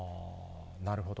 なるほど。